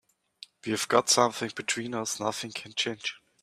We've got something between us nothing can change.